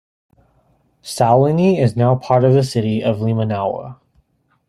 Sowliny is now part of the city of Limanowa.